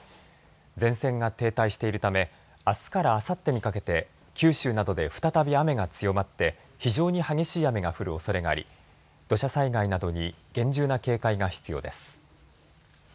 前線が停滞しているためあすからあさってにかけて九州などで再び雨が強まって非常に激しい雨が降るおそれがあり土砂災害などに厳重な警戒が必要です。